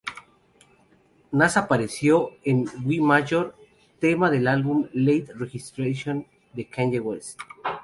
Nas apareció en "We Major", tema del álbum "Late Registration" de Kanye West.